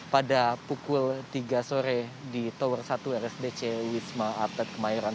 pada pukul tiga sore di tower satu rsdc wisma atlet kemayoran